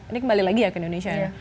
ini kembali lagi ya ke indonesia ya